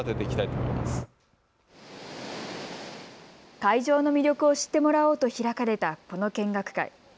会場の魅力を知ってもらおうと開かれたこの見学会。